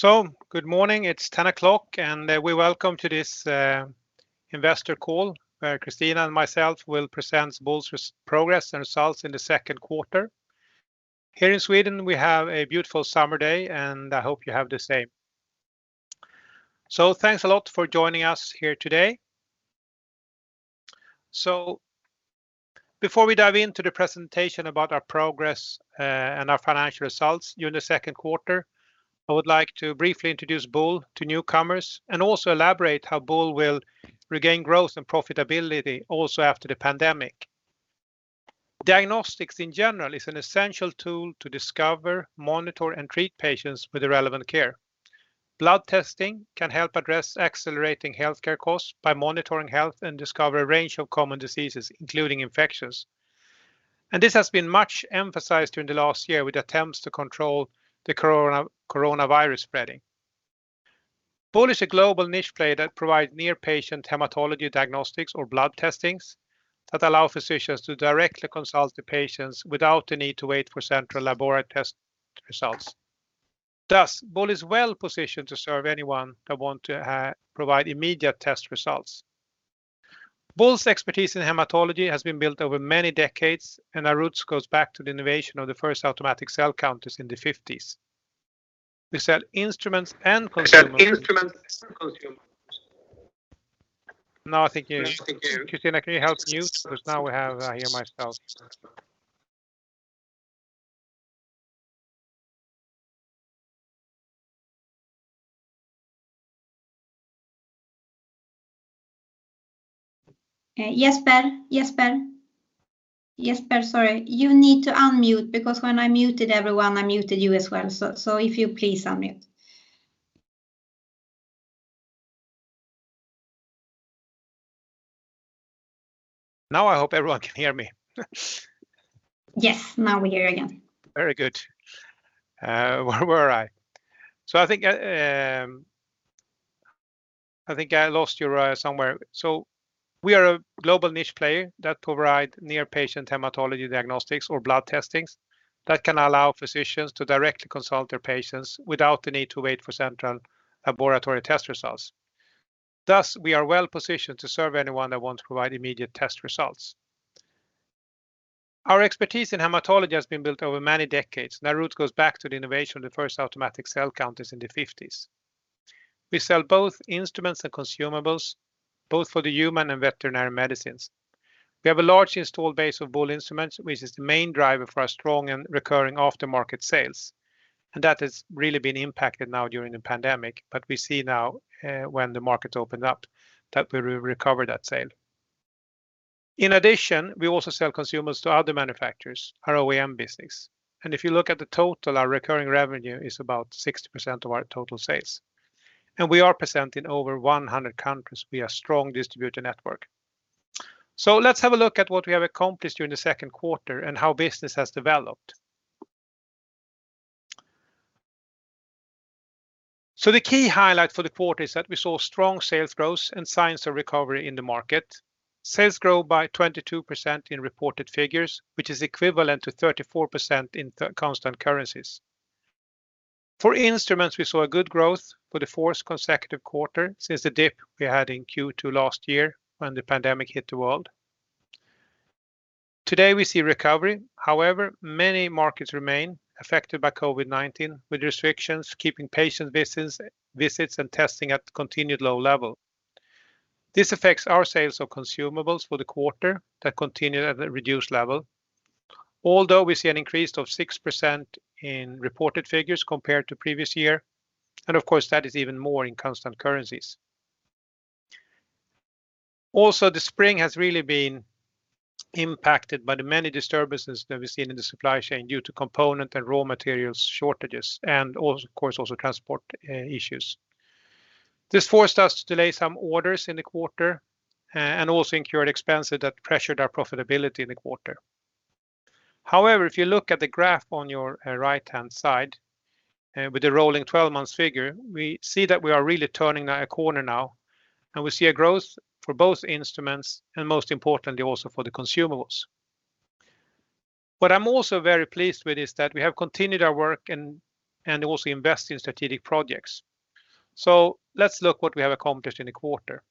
Good morning. It's 10:00 A.M., and we welcome to this investor call where Christina and myself will present Boule's progress and results in the second quarter. Here in Sweden, we have a beautiful summer day, and I hope you have the same. Thanks a lot for joining us here today. Before we dive into the presentation about our progress and our financial results during the second quarter, I would like to briefly introduce Boule to newcomers and also elaborate how Boule will regain growth and profitability also after the pandemic. Diagnostics in general is an essential tool to discover, monitor, and treat patients with the relevant care. Blood testing can help address accelerating healthcare costs by monitoring health and discover a range of common diseases, including infections. This has been much emphasized during the last year with attempts to control the coronavirus spreading. Boule is a global niche player that provides near-patient hematology diagnostics or blood testings that allow physicians to directly consult the patients without the need to wait for central laboratory test results. Boule is well positioned to serve anyone that want to provide immediate test results. Boule's expertise in hematology has been built over many decades, our roots goes back to the innovation of the first automatic cell counters in the 1950s. We sell instruments and consumables- We sell instruments and consumables. Now I think you Christina, can you help mute because now I hear myself. Jesper. Sorry, you need to unmute because when I muted everyone, I muted you as well. If you please unmute. Now I hope everyone can hear me. Yes, now we hear you again. Very good. Where were I? I think I lost you somewhere. We are a global niche player that provide near-patient hematology diagnostics or blood testings that can allow physicians to directly consult their patients without the need to wait for central laboratory test results. Thus, we are well positioned to serve anyone that wants to provide immediate test results. Our expertise in hematology has been built over many decades, and our root goes back to the innovation of the first automatic cell counters in the 1950s. We sell both instruments and consumables, both for the human and veterinary medicines. We have a large installed base of Boule instruments, which is the main driver for our strong and recurring aftermarket sales. That has really been impacted now during the pandemic, but we see now when the market opened up that we will recover that sale. In addition, we also sell consumables to other manufacturers, our OEM business. If you look at the total, our recurring revenue is about 60% of our total sales. We are present in over 100 countries via strong distributor network. Let's have a look at what we have accomplished during the second quarter and how business has developed. The key highlight for the quarter is that we saw strong sales growth and signs of recovery in the market. Sales grow by 22% in reported figures, which is equivalent to 34% in constant currencies. For instruments, we saw a good growth for the fourth consecutive quarter since the dip we had in Q2 last year when the pandemic hit the world. Today we see recovery. Many markets remain affected by COVID-19 with restrictions keeping patient visits and testing at continued low level. This affects our sales of consumables for the quarter that continue at a reduced level. Although we see an increase of 6% in reported figures compared to previous year, and of course that is even more in constant currencies. Also the spring has really been impacted by the many disturbances that we've seen in the supply chain due to component and raw materials shortages and of course also transport issues. This forced us to delay some orders in the quarter and also incurred expenses that pressured our profitability in the quarter. However, if you look at the graph on your right-hand side with the rolling 12 months figure, we see that we are really turning a corner now and we see a growth for both instruments and most importantly also for the consumables. What I'm also very pleased with is that we have continued our work and also invest in strategic projects. Let's look what we have accomplished in the quarter.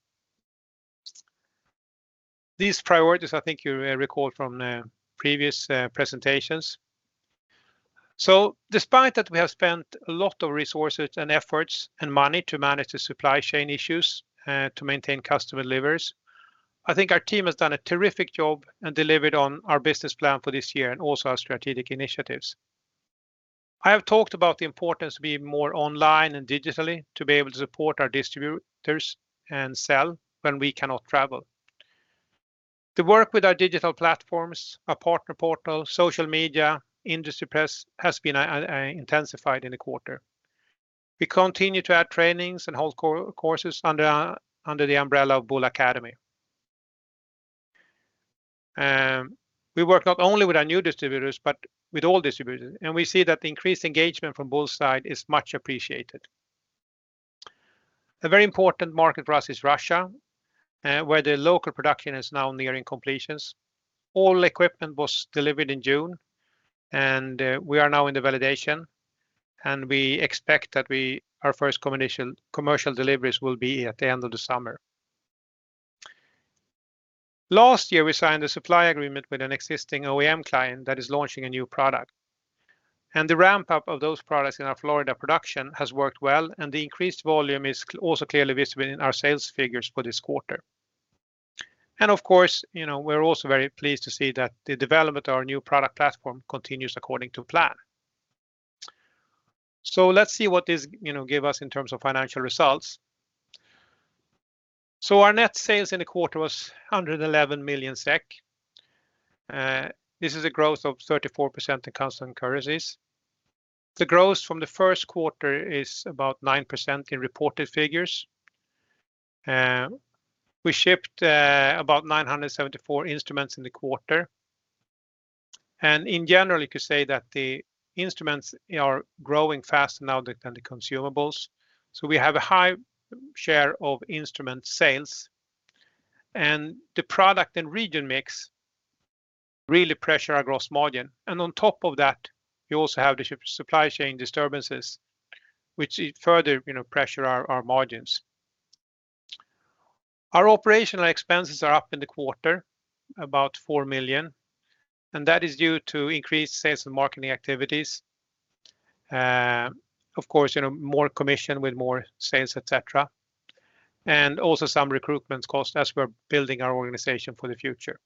These priorities I think you recall from previous presentations. Despite that we have spent a lot of resources and efforts and money to manage the supply chain issues to maintain customer deliveries, I think our team has done a terrific job and delivered on our business plan for this year and also our strategic initiatives. I have talked about the importance to be more online and digitally to be able to support our distributors and sell when we cannot travel. The work with our digital platforms, our partner portal, social media, industry press has been intensified in the quarter. We continue to add trainings and hold courses under the umbrella of Boule Academy. We work not only with our new distributors but with all distributors. We see that the increased engagement from Boule side is much appreciated. A very important market for us is Russia, where the local production is now nearing completion. All equipment was delivered in June. We are now in the validation. We expect that our first commercial deliveries will be at the end of the summer. Last year, we signed a supply agreement with an existing OEM client that is launching a new product. The ramp-up of those products in our Florida production has worked well. The increased volume is also clearly visible in our sales figures for this quarter. Of course, we are also very pleased to see that the development of our new product platform continues according to plan. Let's see what this gave us in terms of financial results. Our net sales in the quarter were 111 million SEK. This is a growth of 34% in constant currencies. The growth from the first quarter is about 9% in reported figures. We shipped about 974 instruments in the quarter. In general, you could say that the instruments are growing faster now than the consumables. We have a high share of instrument sales, and the product and region mix really pressure our gross margin. On top of that, you also have the supply chain disturbances, which further pressure our margins. Our operational expenses are up in the quarter about 4 million, and that is due to increased sales and marketing activities. Of course, more commission with more sales, et cetera, and also some recruitment costs as we're building our organization for the future.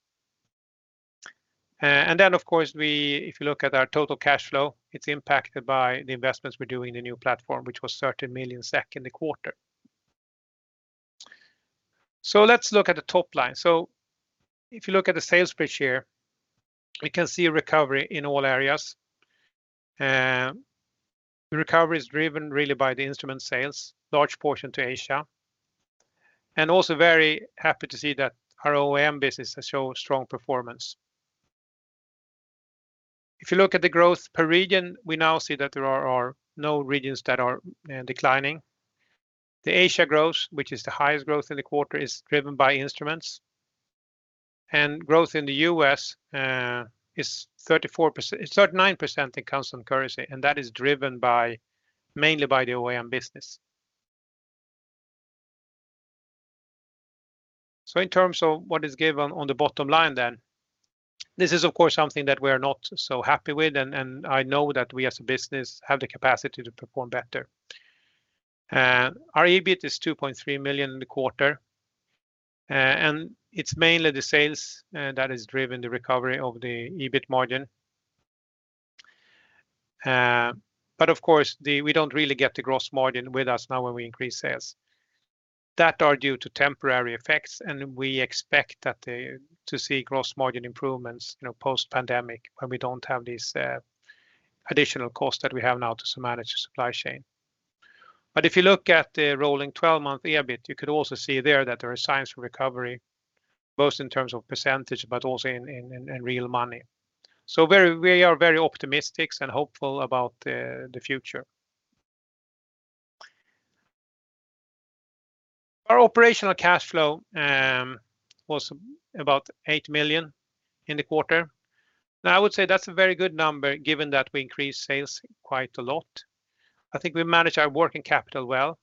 If you look at our total cash flow, it's impacted by the investments we're doing in the new platform, which was 30 million SEK in the quarter. Let's look at the top line. If you look at the sales split here, we can see a recovery in all areas. The recovery is driven really by the instrument sales, large portion to Asia, and also very happy to see that our OEM business has shown strong performance. If you look at the growth per region, we now see that there are no regions that are declining. The Asia growth, which is the highest growth in the quarter, is driven by instruments. Growth in the U.S. is 39% in constant currency, and that is driven mainly by the OEM business. In terms of what is given on the bottom line then, this is of course, something that we are not so happy with, and I know that we as a business have the capacity to perform better. Our EBIT is 2.3 million in the quarter. It's mainly the sales that has driven the recovery of the EBIT margin. Of course, we don't really get the gross margin with us now when we increase sales. That is due to temporary effects. We expect to see gross margin improvements post-pandemic when we don't have these additional costs that we have now to manage the supply chain. If you look at the rolling 12-month EBIT, you could also see there that there are signs of recovery, both in terms of percentage, but also in real money. We are very optimistic and hopeful about the future. Our operational cash flow was about 8 million in the quarter. I would say that's a very good number given that we increased sales quite a lot. I think we managed our working capital well.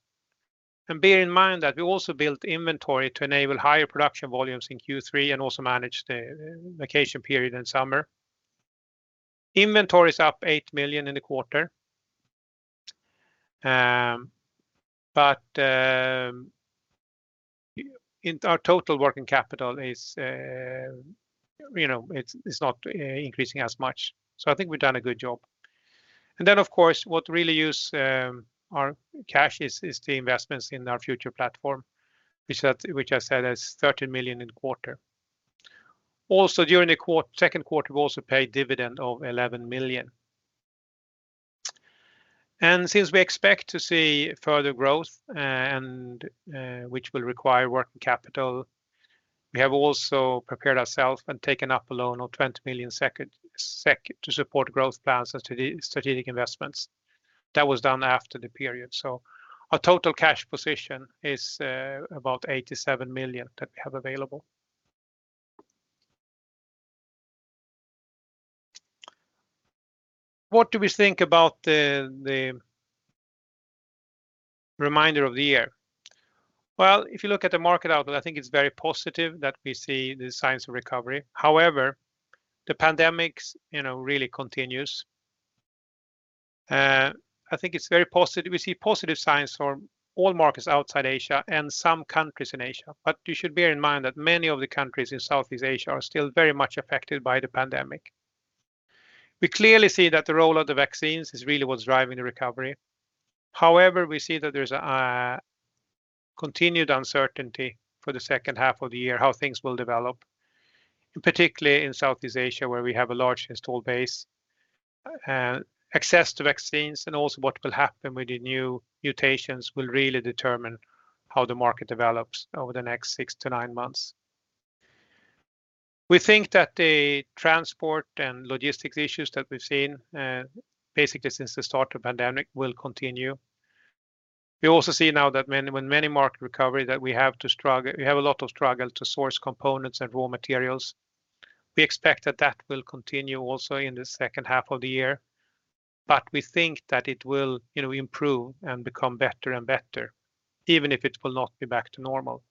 Bear in mind that we also built inventory to enable higher production volumes in Q3 and also manage the vacation period in summer. Inventory is up 8 million in the quarter, but our total working capital is not increasing as much. I think we've done a good job. Of course, what really uses our cash is the investments in our future platform, which I said is 30 million in the quarter. Also during the second quarter, we've also paid dividend of 11 million. Since we expect to see further growth, which will require working capital, we have also prepared ourselves and taken up a loan of 20 million to support growth plans and strategic investments. That was done after the period. Our total cash position is about 87 million that we have available. What do we think about the remainder of the year? Well, if you look at the market outlook, I think it's very positive that we see the signs of recovery. However, the pandemic really continues. I think it's very positive. We see positive signs for all markets outside Asia and some countries in Asia. You should bear in mind that many of the countries in Southeast Asia are still very much affected by the pandemic. We clearly see that the role of the vaccines is really what's driving the recovery. We see that there's a continued uncertainty for the second half of the year how things will develop, particularly in Southeast Asia, where we have a large installed base. Access to vaccines and also what will happen with the new mutations will really determine how the market develops over the next six to nine months. We think that the transport and logistics issues that we've seen, basically since the start of pandemic, will continue. We also see now that with many market recoveries that we have a lot of struggle to source components and raw materials. We expect that that will continue also in the second half of the year, we think that it will improve and become better and better, even if it will not be back to normal.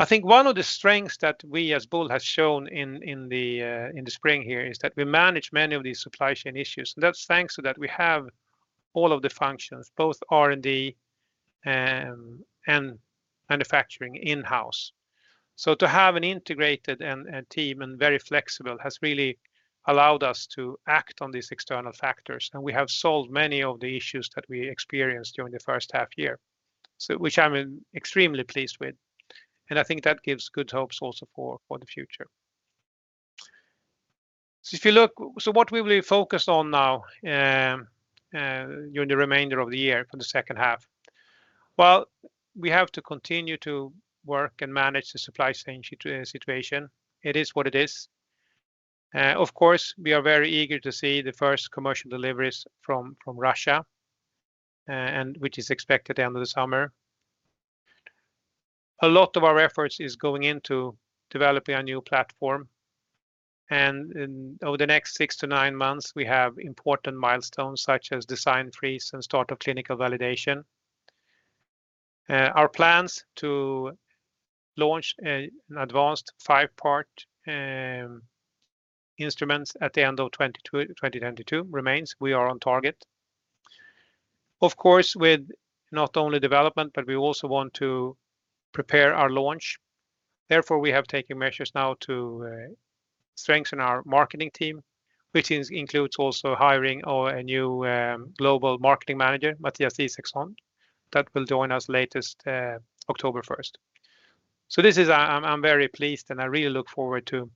I think one of the strengths that we as Boule has shown in the spring here is that we manage many of these supply chain issues. That's thanks that we have all of the functions, both R&D and manufacturing in-house. To have an integrated and very flexible team has really allowed us to act on these external factors, and we have solved many of the issues that we experienced during the first half year, which I'm extremely pleased with, and I think that gives good hopes also for the future. What we will be focused on now during the remainder of the year for the second half. Well, we have to continue to work and manage the supply chain situation. It is what it is. Of course, we are very eager to see the first commercial deliveries from Russia, which is expected at the end of the summer. A lot of our efforts is going into developing our new platform, and over the next six to nine months, we have important milestones such as design freeze and start of clinical validation. Our plans to launch an advanced five-part instruments at the end of 2022 remains. We are on target. Of course, with not only development, but we also want to prepare our launch. Therefore, we have taken measures now to strengthen our marketing team, which includes also hiring a new global marketing manager, Mattias Isaksson, that will join us latest October 1st. I'm very pleased, and I really look forward to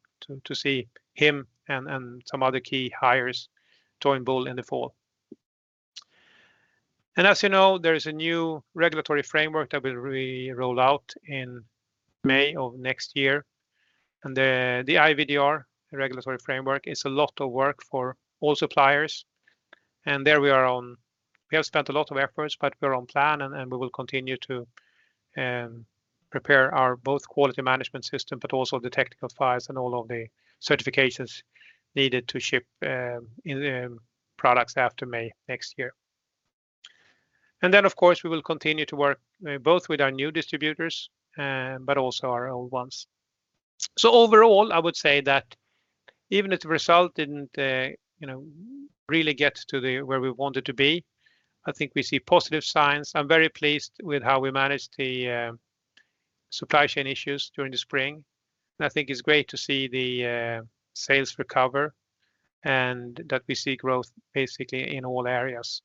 see him and some other key hires join Boule in the fall. As you know, there is a new regulatory framework that will be rolled out in May of next year. The IVDR regulatory framework is a lot of work for all suppliers. We have spent a lot of efforts, but we're on plan, and we will continue to prepare our both quality management system, but also the technical files and all of the certifications needed to ship products after May next year. Of course, we will continue to work both with our new distributors, but also our old ones. Overall, I would say that even if the result didn't really get to where we wanted to be, I think we see positive signs. I'm very pleased with how we managed the supply chain issues during the spring, and I think it's great to see the sales recover and that we see growth basically in all areas.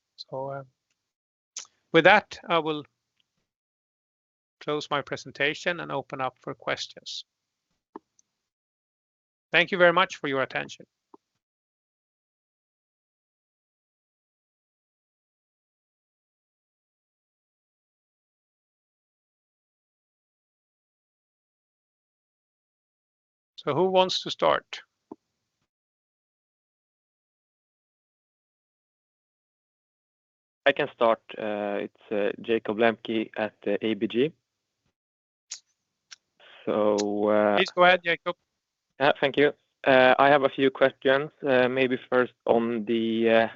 With that, I will close my presentation and open up for questions. Thank you very much for your attention. Who wants to start? I can start. It's Jakob Lembke at ABG. Please go ahead, Jakob. Thank you. I have a few questions. Maybe first on the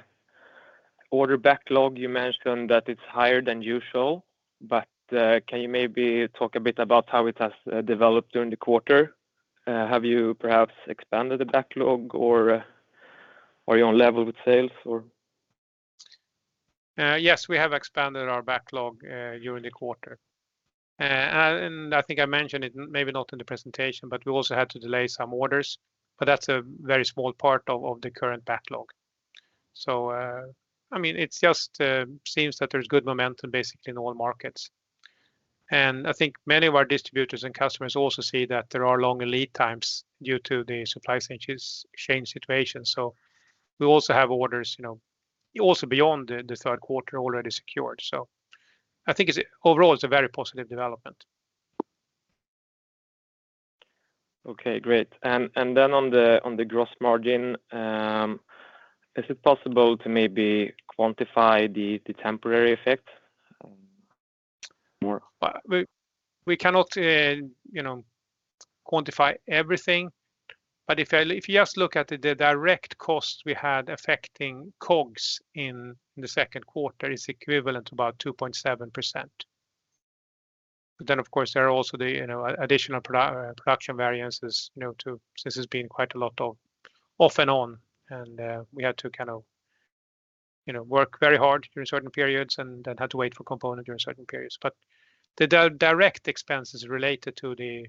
order backlog, you mentioned that it's higher than usual, but can you maybe talk a bit about how it has developed during the quarter? Have you perhaps expanded the backlog or are you on level with sales or? We have expanded our backlog during the quarter. I think I mentioned it, maybe not in the presentation, but we also had to delay some orders, but that's a very small part of the current backlog. It just seems that there's good momentum basically in all markets. I think many of our distributors and customers also see that there are longer lead times due to the supply chain situation. We also have orders also beyond the third quarter already secured. I think overall, it's a very positive development. Okay, great. On the gross margin, is it possible to maybe quantify the temporary effect more? We cannot quantify everything. If you just look at the direct cost we had affecting COGS in the second quarter is equivalent to about 2.7%. Then, of course, there are also the additional production variances, too. This has been quite a lot of off and on, and we had to kind of work very hard during certain periods and then had to wait for component during certain periods. The direct expenses related to the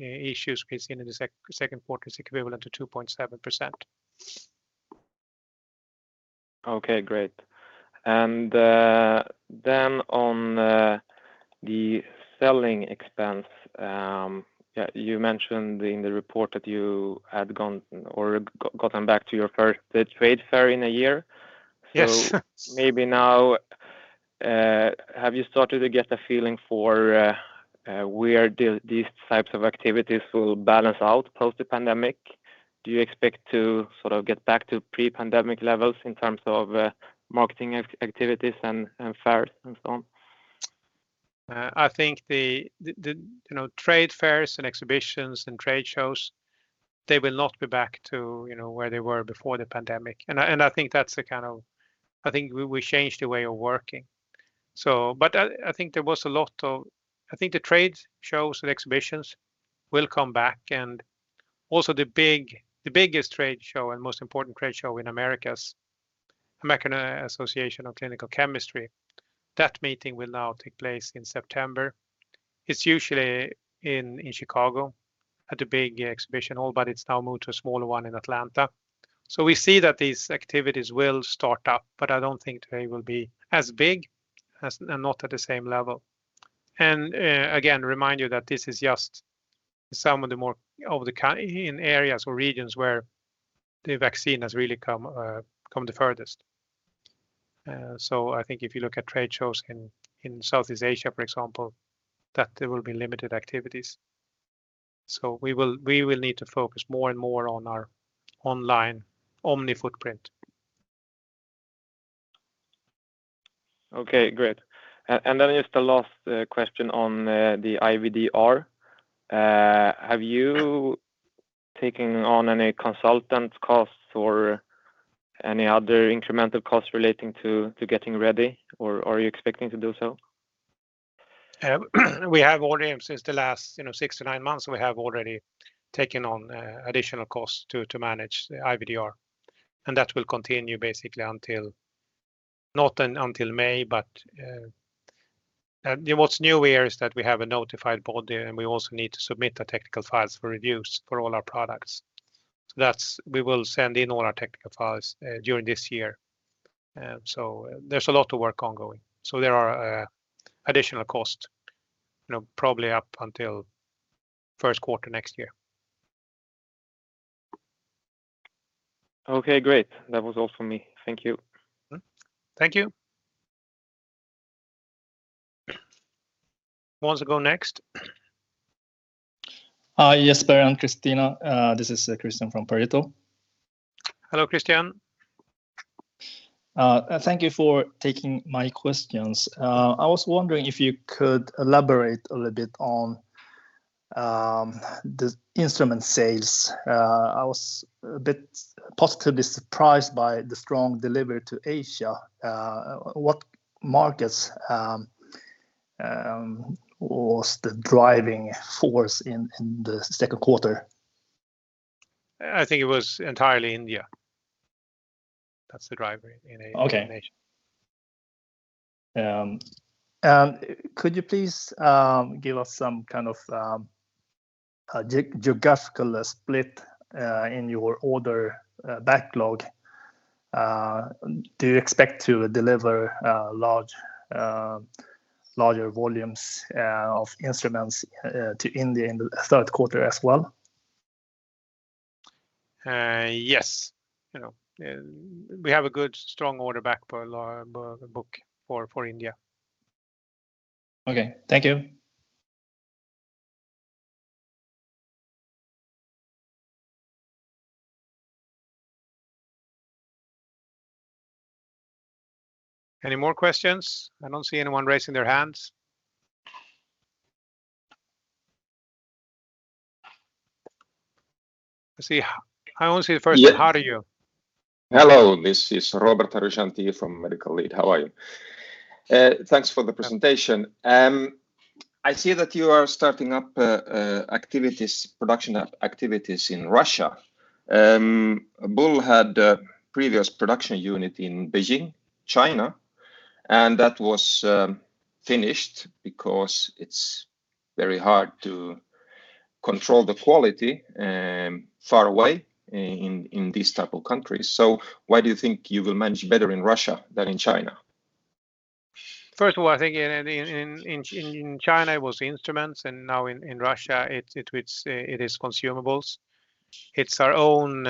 issues we've seen in the second quarter is equivalent to 2.7%. Okay, great. On the selling expense, you mentioned in the report that you had gone or gotten back to your first trade fair in a year. Yes. Maybe now, have you started to get a feeling for where these types of activities will balance out post the pandemic? Do you expect to get back to pre-pandemic levels in terms of marketing activities and fairs, and so on? I think the trade fairs, exhibitions, and trade shows will not be back to where they were before the pandemic. I think we changed the way of working. I think the trade shows and exhibitions will come back, and also the biggest trade show and most important trade show in Americas, American Association of Clinical Chemistry. That meeting will now take place in September. It's usually in Chicago at a big exhibition hall, but it's now moved to a smaller one in Atlanta. We see that these activities will start up, but I don't think they will be as big, and not at the same level. Again, remind you that this is just some of the areas or regions where the vaccine has really come the furthest. I think if you look at trade shows in Southeast Asia, for example, that there will be limited activities. We will need to focus more and more on our online omni-footprint. Okay, great. Then just the last question on the IVDR. Have you taken on any consultant costs or any other incremental costs relating to getting ready, or are you expecting to do so? Since the last six to nine months, we have already taken on additional costs to manage the IVDR, and that will continue basically, not until May. What's new here is that we have a notified body, and we also need to submit the technical files for reviews for all our products. We will send in all our technical files during this year. There's a lot of work ongoing. There are additional costs, probably up until first quarter next year. Okay, great. That was all from me. Thank you. Thank you. Who wants to go next? Jesper and Christina. This is Christian from Pareto. Hello, Christian. Thank you for taking my questions. I was wondering if you could elaborate a little bit on the instrument sales. I was a bit positively surprised by the strong delivery to Asia. What markets was the driving force in the second quarter? I think it was entirely India. That's the driver in Asia. Could you please give us some kind of geographical split in your order backlog? Do you expect to deliver larger volumes of instruments to India in the third quarter as well? Yes. We have a good, strong order book for India. Okay. Thank you. Any more questions? I don't see anyone raising their hands. I only see the first one. How are you? Hello, this is Robert Harju-Jeanty from Medical Lead. How are you? Thanks for the presentation. I see that you are starting up production activities in Russia. Boule had a previous production unit in Beijing, China, and that was finished because it is very hard to control the quality far away in these type of countries. Why do you think you will manage better in Russia than in China? First of all, I think in China, it was instruments, now in Russia, it is consumables. It's our own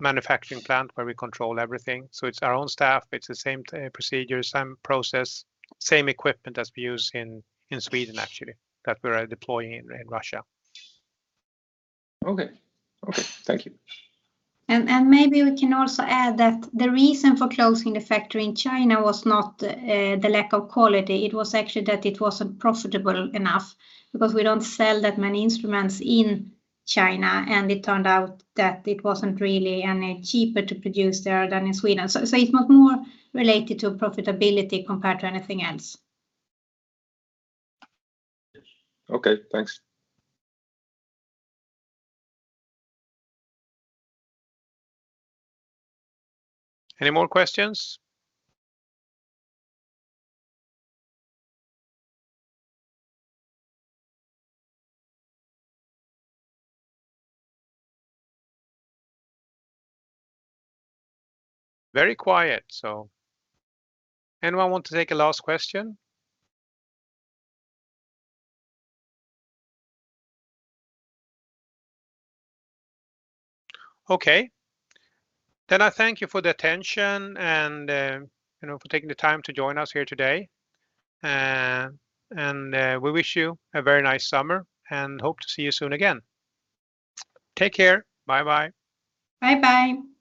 manufacturing plant where we control everything. It's our own staff, it's the same procedures, same process, same equipment as we use in Sweden, actually, that we're deploying in Russia. Okay. Thank you. Maybe we can also add that the reason for closing the factory in China was not the lack of quality. It was actually that it wasn't profitable enough because we don't sell that many instruments in China, and it turned out that it wasn't really any cheaper to produce there than in Sweden. It's more related to profitability compared to anything else. Okay, thanks. Any more questions? Very quiet. Anyone want to take a last question? Okay. I thank you for the attention and for taking the time to join us here today. We wish you a very nice summer and hope to see you soon again. Take care. Bye-bye. Bye-bye.